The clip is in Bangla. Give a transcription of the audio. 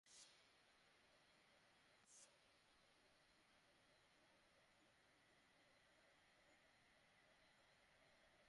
তবে বিশ্বে প্রচলিত ক্রিপ্টোকারেন্সিগুলোর মানের তালিকা করলে বিটকয়েনের পরই আসে ইথারিয়ামের নাম।